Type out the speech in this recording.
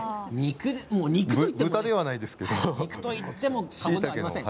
豚ではないですけれど。